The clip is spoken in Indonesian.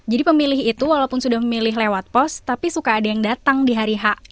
jadi pemilih itu walaupun sudah memilih lewat pos tapi suka ada yang datang di hari h